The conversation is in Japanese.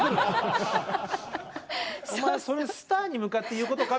スターに向かって言うことか？